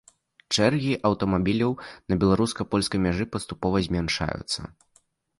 Чэргі аўтамабіляў на беларуска-польскай мяжы паступова змяншаюцца.